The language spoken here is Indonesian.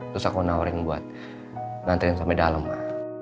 terus aku nawarin buat nganterin sampe dalem ma